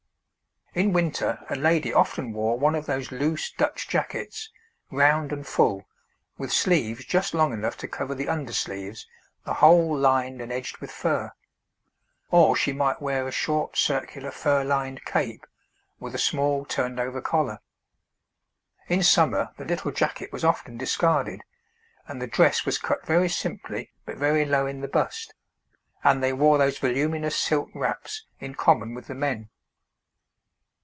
In winter a lady often wore one of those loose Dutch jackets, round and full, with sleeves just long enough to cover the under sleeves, the whole lined and edged with fur; or she might wear a short circular fur lined cape with a small turned over collar. In summer the little jacket was often discarded, and the dress was cut very simply but very low in the bust, and they wore those voluminous silk wraps in common with the men.